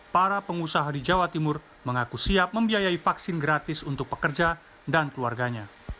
para pengusaha di jawa timur mengaku siap membiayai vaksin gratis untuk pekerja dan keluarganya